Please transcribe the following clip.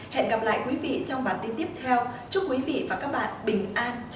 hẹn gặp lại quý vị trong bản tin tiếp theo chúc quý vị và các bạn bình an trong đại dịch